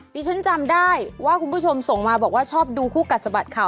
ดิฉันจำได้ว่าคุณผู้ชมส่งมาบอกว่าชอบดูคู่กัดสะบัดข่าว